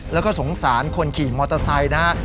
แล้วก็สงสารคนขี่มอเตอร์ไซค์นะฮะ